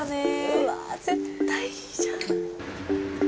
うわぁ絶対いいじゃん。